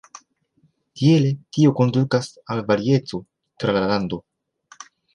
Tiele, tio kondukas al varieco tra la lando.